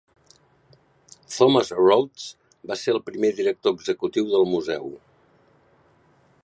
Thomas Rhoads va ser el primer director executiu del Museu.